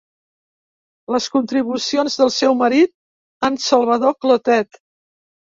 Les contribucions del seu marit, en Salvador Clotet.